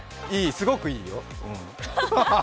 すごくいいよ。